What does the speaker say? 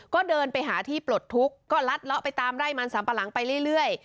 ก็เดินไปหาที่ปลดทุกข์ก็ลัดเลาะไปตามไร่มันสัมปะหลังไปเรื่อย